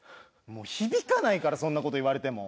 もう響かないからそんな事言われても。